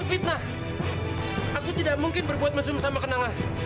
itu fitnah aku tidak mungkin berbuat mesum sama kenangan